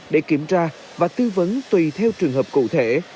để kiểm tra và tư vấn tùy theo trường hợp cụ thể